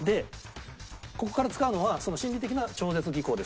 ここから使うのは心理的な超絶技巧です。